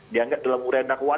dianggap dalam urayan dakwaan